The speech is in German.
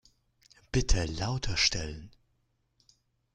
Bitte lauter stellen.